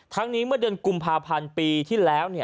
นี้เมื่อเดือนกุมภาพันธ์ปีที่แล้ว